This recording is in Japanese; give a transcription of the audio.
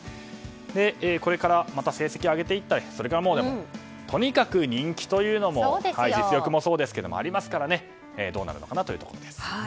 これからまた成績を上げていってそれに、とにかく人気というのも実力もそうですがありますからねどうなるのかなというところです。